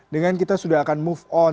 dengan kita sudah akan move on